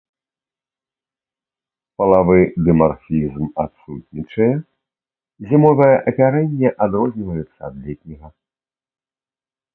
Палавы дымарфізм адсутнічае, зімовае апярэнне адрозніваецца ад летняга.